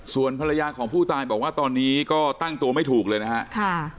ส่วนภรรยาของผู้ตายบอกว่าตอนนี้ก็ตั้งตัวไม่ถูกเลยนะครับ